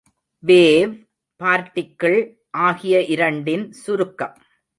Wave, particle ஆகிய இரண்டின் சுருக்கம்.